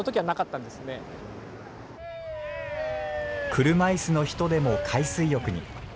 車いすの人でも海水浴に。